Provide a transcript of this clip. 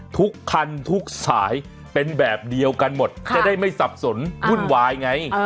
ทุกคันทุกสายเป็นแบบเดียวกันหมดจะได้ไม่สับสนวุ่นวายไง